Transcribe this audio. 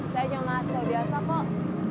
saya cuma asal biasa kok